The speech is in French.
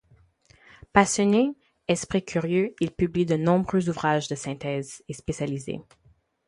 Passionné, esprit curieux, il publie de nombreux ouvrages de synthèse et spécialisés.